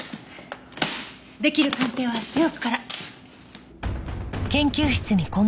出来る鑑定はしておくから。